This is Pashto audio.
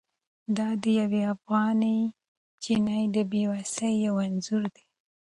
دا د یوې افغانې نجلۍ د بې وسۍ یو انځور دی.